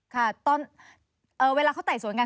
ค่ะตอนเวลาเขาไต่สวนกัน